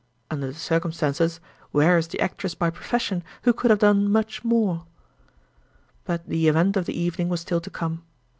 Under the circumstances, where is the actress by profession who could have done much more? But the event of the evening was still to come.